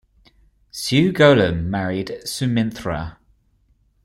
Sewgolum married Suminthra.